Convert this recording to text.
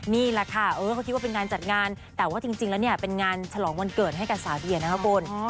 นี่แหละค่ะเขาคิดว่าเป็นงานจัดงานแต่ว่าจริงแล้วเนี่ยเป็นงานฉลองวันเกิดให้กับสาวเดียนะคะคุณ